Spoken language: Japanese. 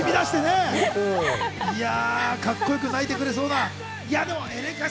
かっこよく泣いてくれそうな。